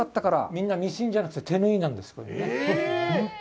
みんなミシンじゃなくて手縫いなんです。